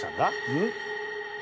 うん？